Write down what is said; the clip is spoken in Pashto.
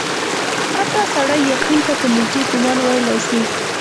حتی سړی یقین ته په نیژدې ګومان ویلای سي.